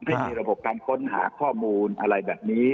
ให้มีระบบการค้นหาข้อมูลอะไรแบบนี้